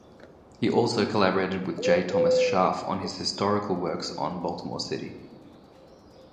He also collaborated with J. Thomas Scharf on his historical works on Baltimore City.